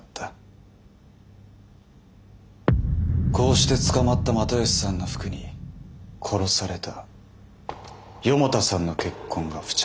こうして捕まった又吉さんの服に殺された四方田さんの血痕が付着した。